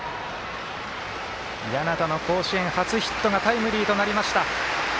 簗田の甲子園初ヒットがタイムリーとなりました。